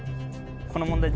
この問題。